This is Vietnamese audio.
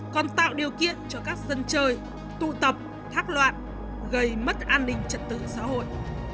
còn tạo điều kiện cho các dân chơi tụ tập thác loạn gây mất an ninh trật tự xã hội